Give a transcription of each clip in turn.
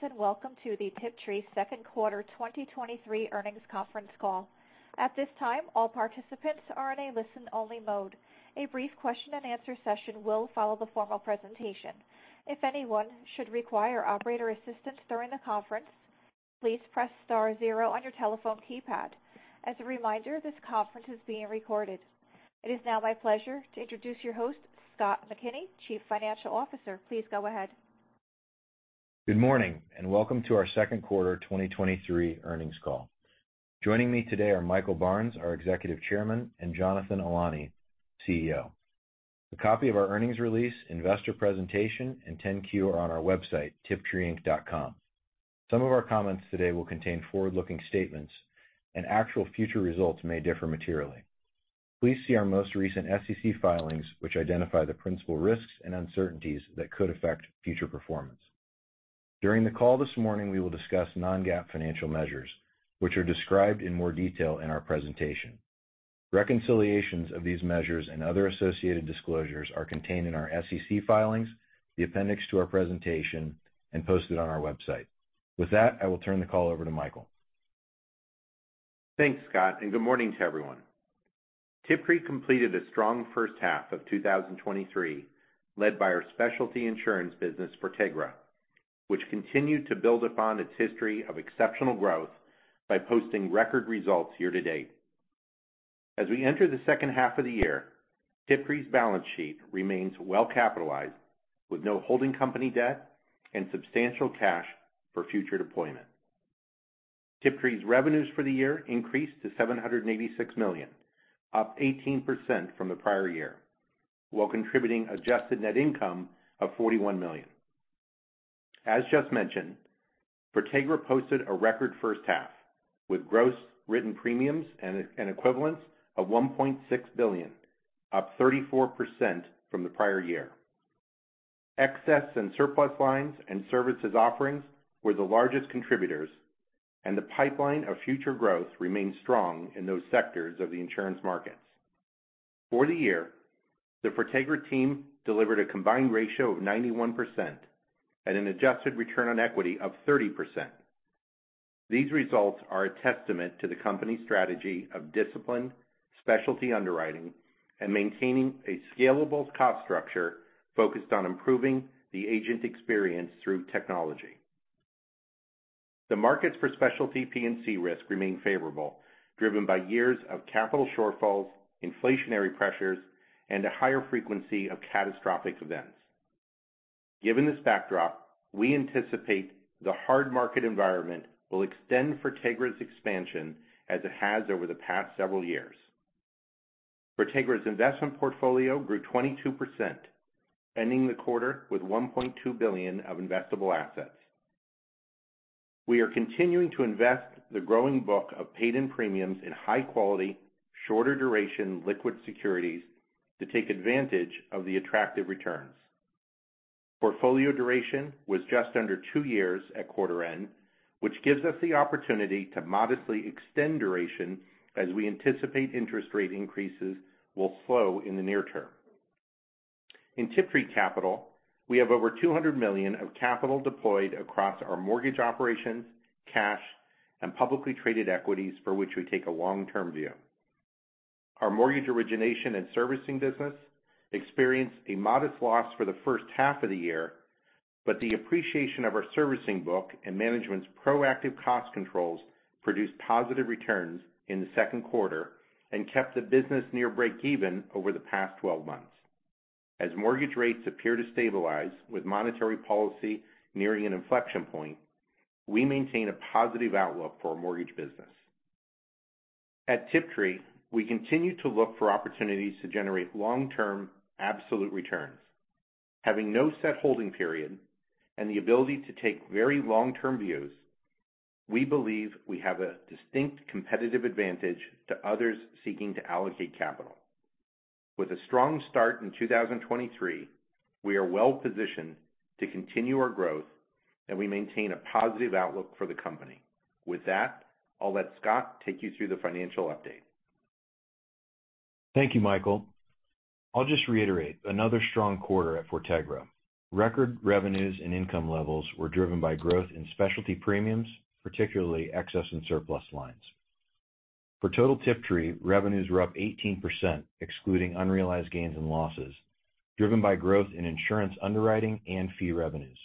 Greetings, and welcome to the Tiptree Second Quarter 2023 Earnings Conference Call. At this time, all participants are in a listen-only mode. A brief question and answer session will follow the formal presentation. If anyone should require operator assistance during the conference, please press star zero on your telephone keypad. As a reminder, this conference is being recorded. It is now my pleasure to introduce your host, Scott McKinney, Chief Financial Officer. Please go ahead. Good morning, welcome to our Second Quarter 2023 Earnings Call. Joining me today are Michael Barnes, our Executive Chairman, and Jonathan Ilany, CEO. A copy of our earnings release, investor presentation, and 10-Q are on our website, tiptreeinc.com. Some of our comments today will contain forward-looking statements, and actual future results may differ materially. Please see our most recent SEC filings, which identify the principal risks and uncertainties that could affect future performance. During the call this morning, we will discuss non-GAAP financial measures, which are described in more detail in our presentation. Reconciliations of these measures and other associated disclosures are contained in our SEC filings, the appendix to our presentation, and posted on our website. With that, I will turn the call over to Michael. Thanks, Scott, and good morning to everyone. Tiptree completed a strong first half of 2023, led by our specialty insurance business, Fortegra, which continued to build upon its history of exceptional growth by posting record results year-to-date. As we enter the second half of the year, Tiptree's balance sheet remains well capitalized, with no holding company debt and substantial cash for future deployment. Tiptree's revenues for the year increased to $786 million, up 18% from the prior year, while contributing adjusted net income of $41 million. As just mentioned, Fortegra posted a record first half, with gross written premiums and equivalents of $1.6 billion, up 34% from the prior year. Excess and surplus lines and services offerings were the largest contributors, and the pipeline of future growth remains strong in those sectors of the insurance markets. For the year, the Fortegra team delivered a combined ratio of 91% and an adjusted return on equity of 30%. These results are a testament to the company's strategy of disciplined specialty underwriting and maintaining a scalable cost structure focused on improving the agent experience through technology. The markets for specialty P&C risk remain favorable, driven by years of capital shortfalls, inflationary pressures, and a higher frequency of catastrophic events. Given this backdrop, we anticipate the hard market environment will extend Fortegra's expansion as it has over the past several years. Fortegra's investment portfolio grew 22%, ending the quarter with $1.2 billion of investable assets. We are continuing to invest the growing book of paid-in premiums in high quality, shorter duration, liquid securities to take advantage of the attractive returns. Portfolio duration was just under 2 years at quarter end, which gives us the opportunity to modestly extend duration as we anticipate interest rate increases will slow in the near term. In Tiptree Capital, we have over $200 million of capital deployed across our mortgage operations, cash, and publicly traded equities, for which we take a long-term view. Our mortgage origination and servicing business experienced a modest loss for the first half of the year, but the appreciation of our servicing book and management's proactive cost controls produced positive returns in the second quarter and kept the business near breakeven over the past 12 months. As mortgage rates appear to stabilize with monetary policy nearing an inflection point, we maintain a positive outlook for our mortgage business. At Tiptree, we continue to look for opportunities to generate long-term absolute returns. Having no set holding period and the ability to take very long-term views, we believe we have a distinct competitive advantage to others seeking to allocate capital. With a strong start in 2023, we are well positioned to continue our growth, and we maintain a positive outlook for the company. With that, I'll let Scott take you through the financial update. Thank you, Michael. I'll just reiterate, another strong quarter at Fortegra. Record revenues and income levels were driven by growth in specialty premiums, particularly excess and surplus lines. For total Tiptree, revenues were up 18%, excluding unrealized gains and losses, driven by growth in insurance underwriting and fee revenues.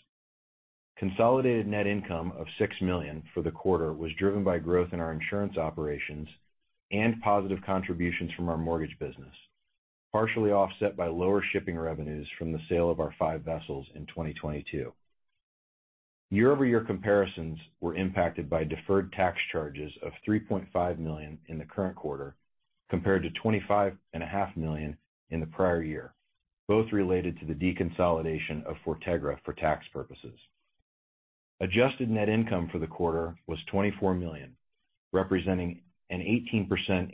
Consolidated net income of $6 million for the quarter was driven by growth in our insurance operations and positive contributions from our mortgage business, partially offset by lower shipping revenues from the sale of our 5 vessels in 2022. Year-over-year comparisons were impacted by deferred tax charges of $3.5 million in the current quarter, compared to $25.5 million in the prior year, both related to the deconsolidation of Fortegra for tax purposes. Adjusted net income for the quarter was $24 million, representing an 18%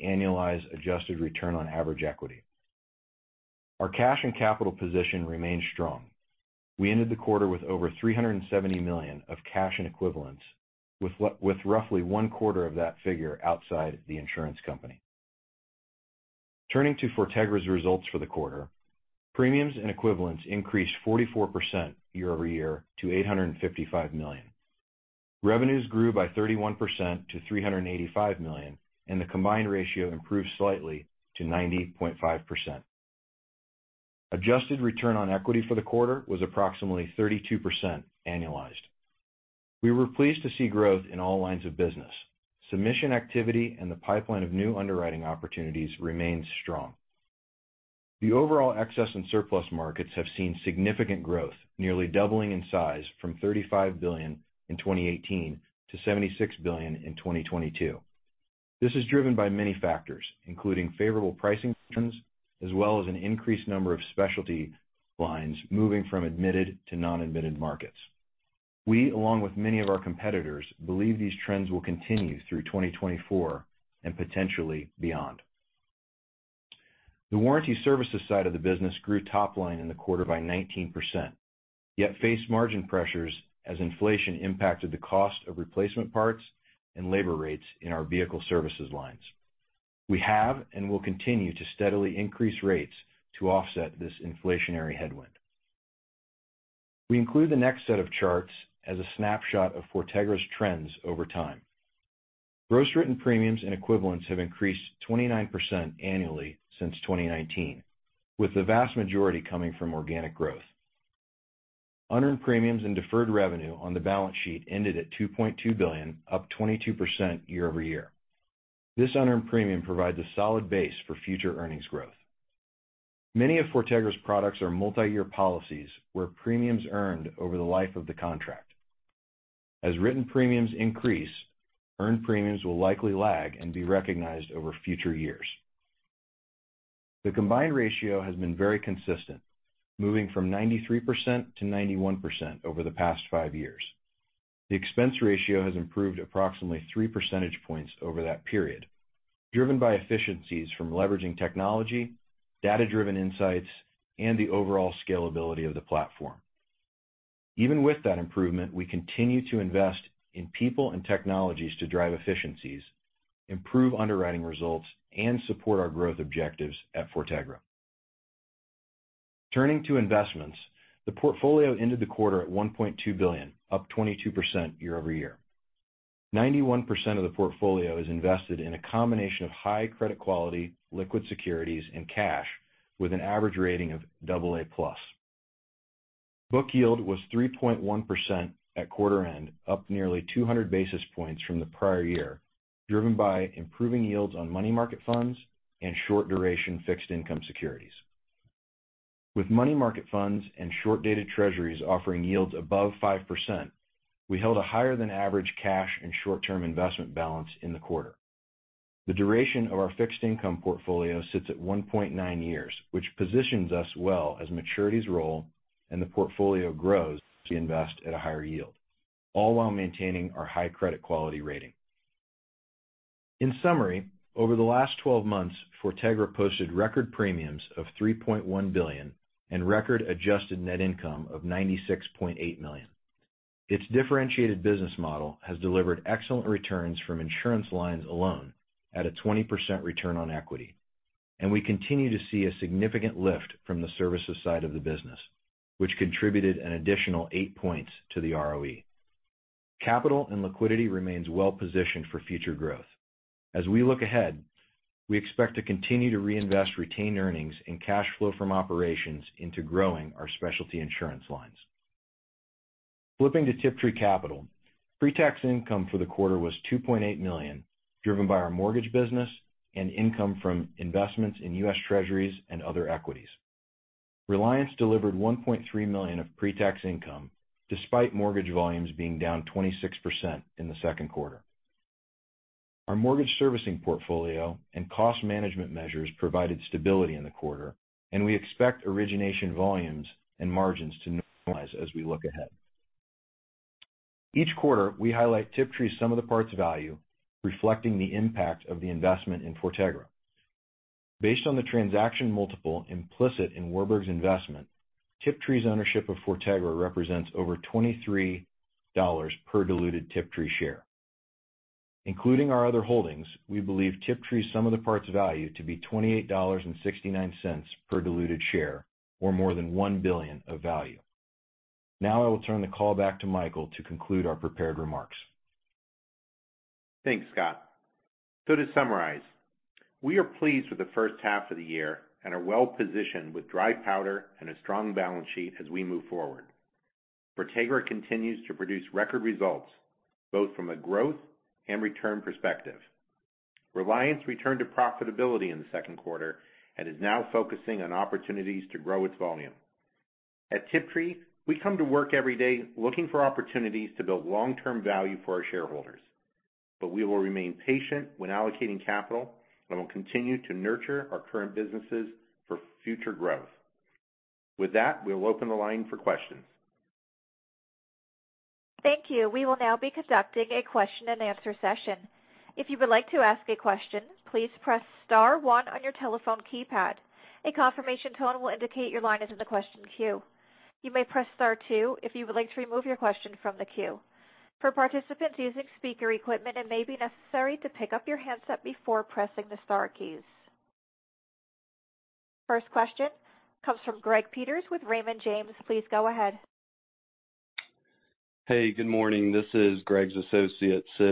annualized adjusted return on average equity. Our cash and capital position remains strong. We ended the quarter with over $370 million of cash and equivalents, with with roughly 1 quarter of that figure outside the insurance company. Turning to Fortegra's results for the quarter. Premiums and equivalents increased 44% year-over-year to $855 million. Revenues grew by 31% to $385 million, and the combined ratio improved slightly to 90.5%. Adjusted return on equity for the quarter was approximately 32% annualized. We were pleased to see growth in all lines of business. Submission activity and the pipeline of new underwriting opportunities remains strong. The overall excess and surplus markets have seen significant growth, nearly doubling in size from $35 billion in 2018 to $76 billion in 2022. This is driven by many factors, including favorable pricing trends, as well as an increased number of specialty lines moving from admitted to non-admitted markets. We, along with many of our competitors, believe these trends will continue through 2024 and potentially beyond. The warranty services side of the business grew top line in the quarter by 19%, yet faced margin pressures as inflation impacted the cost of replacement parts and labor rates in our vehicle services lines. We have and will continue to steadily increase rates to offset this inflationary headwind. We include the next set of charts as a snapshot of Fortegra's trends over time. gross written premiums and equivalents have increased 29% annually since 2019, with the vast majority coming from organic growth. unearned premiums and deferred revenue on the balance sheet ended at $2.2 billion, up 22% year-over-year. This unearned premium provides a solid base for future earnings growth. Many of Fortegra's products are multiyear policies, where premiums earned over the life of the contract. As written premiums increase, earned premiums will likely lag and be recognized over future years. The combined ratio has been very consistent, moving from 93% to 91% over the past five years. The expense ratio has improved approximately three percentage points over that period, driven by efficiencies from leveraging technology, data-driven insights, and the overall scalability of the platform. Even with that improvement, we continue to invest in people and technologies to drive efficiencies, improve underwriting results, and support our growth objectives at Fortegra. Turning to investments, the portfolio ended the quarter at $1.2 billion, up 22% year-over-year. 91% of the portfolio is invested in a combination of high credit quality, liquid securities, and cash with an average rating of AA+. Book yield was 3.1% at quarter end, up nearly 200 basis points from the prior year, driven by improving yields on money market funds and short duration fixed income securities. With money market funds and short-dated US Treasuries offering yields above 5%, we held a higher than average cash and short-term investment balance in the quarter. The duration of our fixed income portfolio sits at 1.9 years, which positions us well as maturities roll and the portfolio grows to invest at a higher yield, all while maintaining our high credit quality rating. In summary, over the last 12 months, Fortegra posted record premiums of $3.1 billion and record adjusted net income of $96.8 million. Its differentiated business model has delivered excellent returns from insurance lines alone at a 20% return on equity. We continue to see a significant lift from the services side of the business, which contributed an additional 8 points to the ROE. Capital and liquidity remains well positioned for future growth. As we look ahead, we expect to continue to reinvest retained earnings and cash flow from operations into growing our specialty insurance lines. Flipping to Tiptree Capital, pre-tax income for the quarter was $2.8 million, driven by our mortgage business and income from investments in US Treasuries and other equities. Reliance delivered $1.3 million of pre-tax income, despite mortgage volumes being down 26% in the second quarter. Our mortgage servicing portfolio and cost management measures provided stability in the quarter. We expect origination volumes and margins to normalize as we look ahead. Each quarter, we highlight Tiptree's sum of the parts value, reflecting the impact of the investment in Fortegra. Based on the transaction multiple implicit in Warburg's investment, Tiptree's ownership of Fortegra represents over $23 per diluted Tiptree share. Including our other holdings, we believe Tiptree's sum of the parts value to be $28.69 per diluted share, or more than $1 billion of value. Now I will turn the call back to Michael to conclude our prepared remarks. Thanks, Scott. To summarize, we are pleased with the first half of the year and are well positioned with dry powder and a strong balance sheet as we move forward. Fortegra continues to produce record results, both from a growth and return perspective. Reliance returned to profitability in the second quarter and is now focusing on opportunities to grow its volume. At Tiptree, we come to work every day looking for opportunities to build long-term value for our shareholders, but we will remain patient when allocating capital, and we'll continue to nurture our current businesses for future growth. With that, we'll open the line for questions. Thank you. We will now be conducting a question-and-answer session. If you would like to ask a question, please press star one on your telephone keypad. A confirmation tone will indicate your line is in the question queue. You may press star two if you would like to remove your question from the queue. For participants using speaker equipment, it may be necessary to pick up your handset before pressing the star keys. First question comes from Greg Peters with Raymond James. Please go ahead. Hey, good morning. This is Greg's associate, Sidney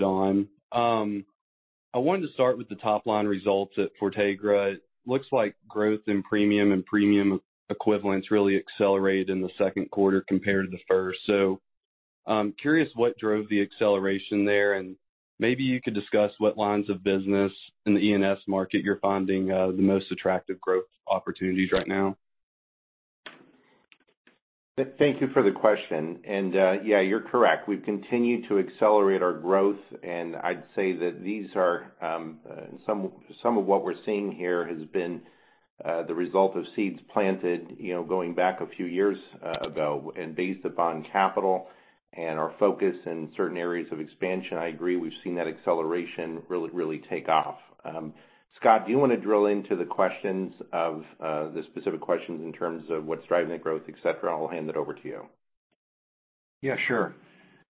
Schultz. I wanted to start with the top-line results at Fortegra. It looks like growth in premium and premium equivalents really accelerated in the second quarter compared to the first. I'm curious what drove the acceleration there, and maybe you could discuss what lines of business in the E&S market you're finding the most attractive growth opportunities right now. Thank you for the question. Yeah, you're correct. We've continued to accelerate our growth, and I'd say that these are some of what we're seeing here has been the result of seeds planted, you know, going back a few years ago, and based upon capital and our focus in certain areas of expansion. I agree, we've seen that acceleration really, really take off. Scott, do you want to drill into the questions of the specific questions in terms of what's driving the growth, et cetera? I'll hand it over to you. Yeah, sure.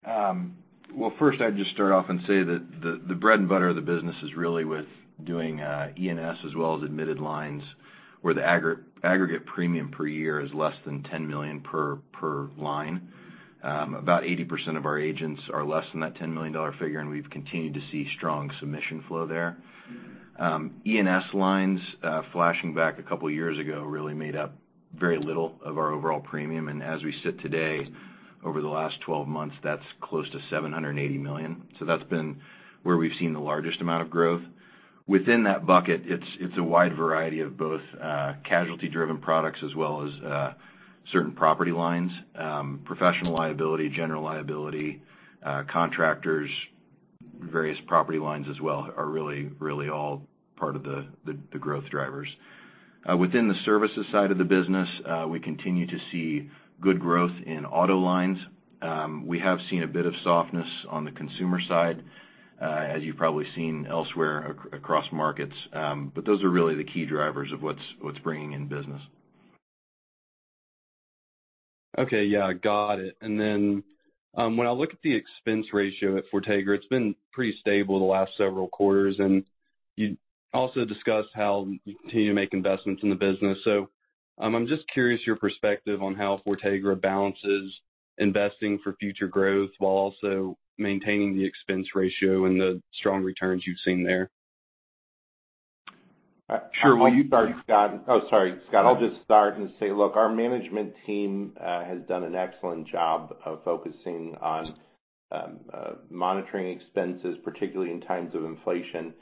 Well, first, I'd just start off and say that the, the bread and butter of the business is really with doing E&S, as well as admitted lines, where the aggregate premium per year is less than $10 million per, per line. About 80% of our agents are less than that $10 million figure, and we've continued to see strong submission flow there. E&S lines, flashing back a couple of years ago, really made up very little of our overall premium, and as we sit today, over the last 12 months, that's close to $780 million. That's been where we've seen the largest amount of growth. Within that bucket, it's, it's a wide variety of both casualty-driven products as well as certain property lines, professional liability, general liability, contractors, various property lines as well, are really, really all part of the, the growth drivers. Within the services side of the business, we continue to see good growth in auto lines. We have seen a bit of softness on the consumer side, as you've probably seen elsewhere acr- across markets. Those are really the key drivers of what's, what's bringing in business. Okay. Yeah, got it. When I look at the expense ratio at Fortegra, it's been pretty stable the last several quarters, and you also discussed how you continue to make investments in the business. I'm just curious your perspective on how Fortegra balances investing for future growth while also maintaining the expense ratio and the strong returns you've seen there. Sure. Will you start, Scott? Oh, sorry, Scott. I'll just start and say, look, our management team has done an excellent job of focusing on monitoring expenses, particularly in times of inflation.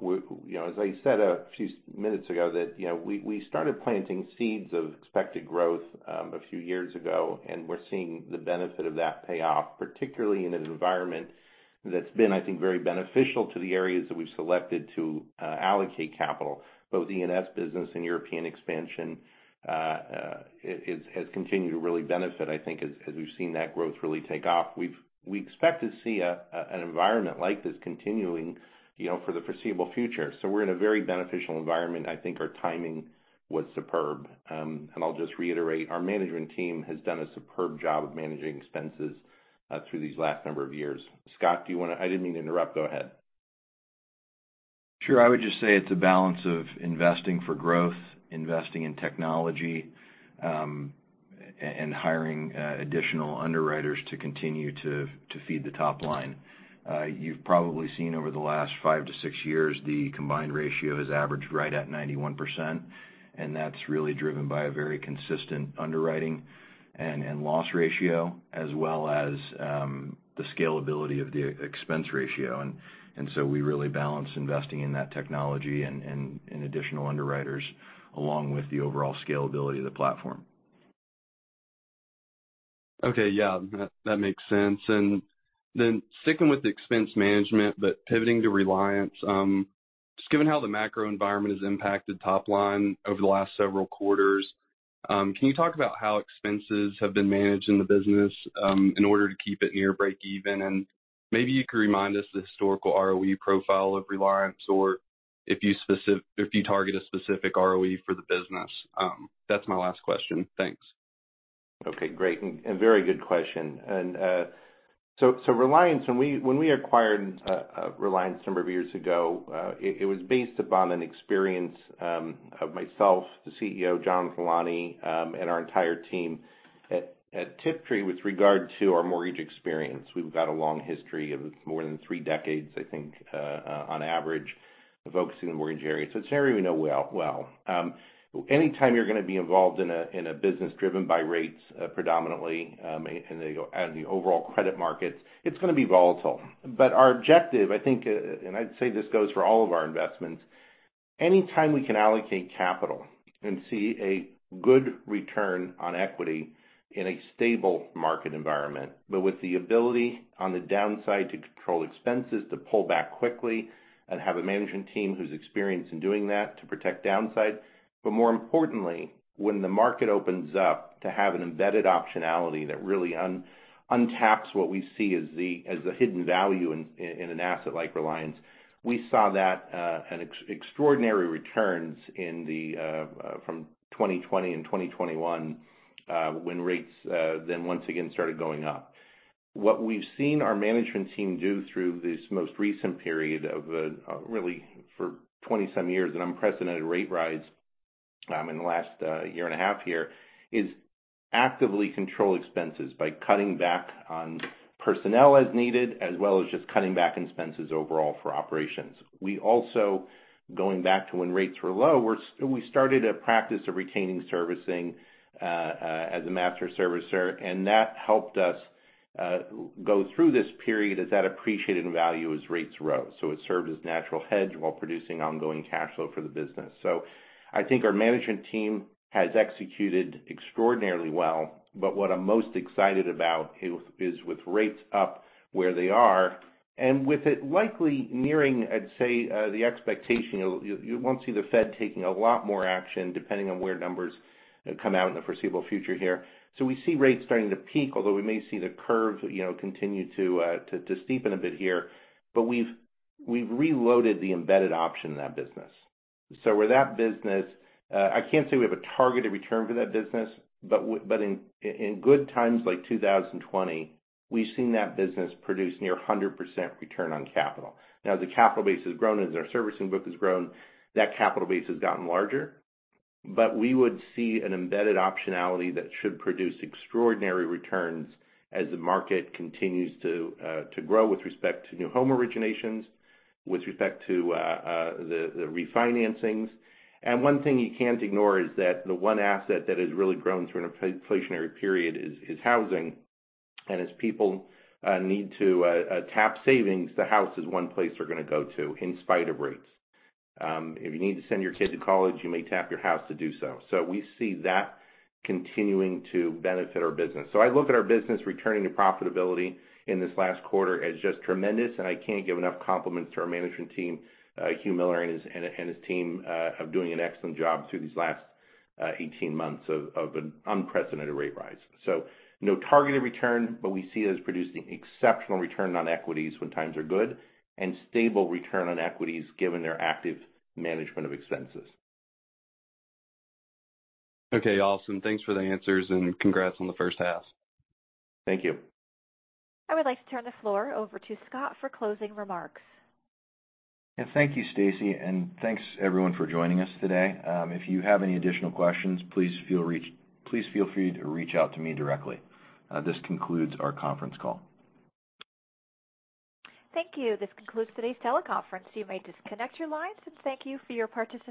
We, you know, as I said a few minutes ago, that, you know, we, we started planting seeds of expected growth a few years ago, and we're seeing the benefit of that pay off, particularly in an environment that's been, I think, very beneficial to the areas that we've selected to allocate capital. Both E&S business and European expansion, it has, has continued to really benefit, I think, as, as we've seen that growth really take off. We expect to see a, a, an environment like this continuing, you know, for the foreseeable future. We're in a very beneficial environment. I think our timing was superb. I'll just reiterate, our management team has done a superb job of managing expenses through this last number of years. Scott, I didn't mean to interrupt. Go ahead. Sure. I would just say it's a balance of investing for growth, investing in technology, and hiring additional underwriters to continue to feed the top line. You've probably seen over the last 5-6 years, the combined ratio has averaged right at 91%, and that's really driven by a very consistent underwriting and loss ratio, as well as the scalability of the expense ratio. We really balance investing in that technology and additional underwriters, along with the overall scalability of the platform. Okay. Yeah, that, that makes sense. Sticking with the expense management, but pivoting to Reliance, just given how the macro environment has impacted top line over the last several quarters, can you talk about how expenses have been managed in the business, in order to keep it near breakeven? Maybe you could remind us the historical ROE profile of Reliance, or if you target a specific ROE for the business. That's my last question. Thanks. Okay, great, and very good question. So Reliance, when we acquired Reliance a number of years ago, it was based upon an experience of myself, the CEO, Jonathan Ilany, and our entire team at Tiptree with regard to our mortgage experience. We've got a long history of more than three decades, I think, on average, focusing on the mortgage area. It's an area we know well, well. Anytime you're going to be involved in a business driven by rates, predominantly, and the overall credit markets, it's going to be volatile. Our objective, I think, and I'd say this goes for all of our investments: anytime we can allocate capital and see a good return on equity in a stable market environment, but with the ability on the downside to control expenses, to pull back quickly and have a management team who's experienced in doing that to protect downsides, but more importantly, when the market opens up, to have an embedded optionality that really untaps what we see as the hidden value in an asset like Reliance. We saw that, and extraordinary returns in the from 2020 and 2021, when rates, then once again started going up. What we've seen our management team do through this most recent period of really for 27 years, an unprecedented rate rise... In the last year and a half here, is actively control expenses by cutting back on personnel as needed, as well as just cutting back expenses overall for operations. We also, going back to when rates were low, we started a practice of retaining servicing as a master servicer, and that helped us go through this period as that appreciated in value as rates rose. It served as natural hedge while producing ongoing cash flow for the business. I think our management team has executed extraordinarily well. What I'm most excited about is, is with rates up where they are, and with it likely nearing, I'd say, the expectation, you know, you, you won't see the Fed taking a lot more action, depending on where numbers come out in the foreseeable future here. We see rates starting to peak, although we may see the curve, you know, continue to steepen a bit here. We've reloaded the embedded option in that business. Where that business, I can't say we have a targeted return for that business, but in good times like 2020, we've seen that business produce near a 100% return on capital. As the capital base has grown and as our servicing book has grown, that capital base has gotten larger. We would see an embedded optionality that should produce extraordinary returns as the market continues to grow with respect to new home originations, with respect to the refinancings. One thing you can't ignore is that the one asset that has really grown through an inflationary period is housing. As people need to tap savings, the house is one place they're gonna go to in spite of rates. If you need to send your kid to college, you may tap your house to do so. We see that continuing to benefit our business. I look at our business returning to profitability in this last quarter as just tremendous, and I can't give enough compliments to our management team, Hugh Miller and his team of doing an excellent job through these last 18 months of an unprecedented rate rise. No targeted return, but we see it as producing exceptional return on equities when times are good, and stable return on equities, given their active management of expenses. Okay, awesome. Thanks for the answers, and congrats on the first half. Thank you. I would like to turn the floor over to Scott for closing remarks. Yeah, thank you, Stacy, and thanks everyone for joining us today. If you have any additional questions, please feel free to reach out to me directly. This concludes our conference call. Thank you. This concludes today's teleconference. You may disconnect your lines, and thank you for your participation.